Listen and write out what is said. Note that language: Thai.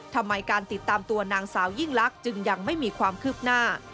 ทำไมการติดตามตัวนางสาวยิ่งลักษณ์จึงยังไม่มีความคืบหน้า